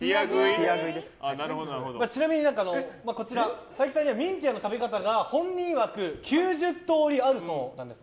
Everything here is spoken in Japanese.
ちなみにこちら、佐伯さんにはミンティアの食べ方が本人いわく９０通りあるそうなんです。